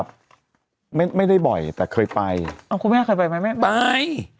คุณหนุ่มเคยไปพศาสน์มั้ย